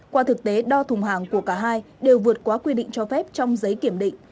qua thực tế đo thùng hàng của cả hai đều vượt quá quy định cho phép trong giấy kiểm định